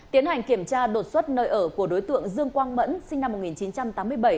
tiến hành kiểm tra đột xuất nơi ở của đối tượng dương quang mẫn sinh năm một nghìn chín trăm tám mươi bảy